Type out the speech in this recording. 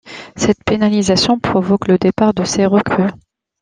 Cette pénalisation provoque le départ de ses recrues.